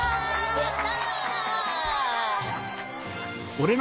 やった！